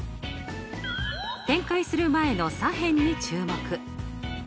展開する前の左辺に注目。